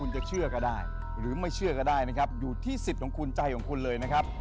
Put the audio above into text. คุณจะเชื่อก็ได้หรือไม่เชื่อก็ได้นะครับอยู่ที่สิทธิ์ของคุณใจของคุณเลยนะครับ